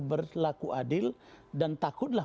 berlaku adil dan takutlah